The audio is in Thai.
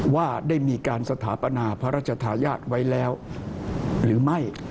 ว่าได้มีการสถาปนาพระราชทายาทไว้แล้วหรือไม่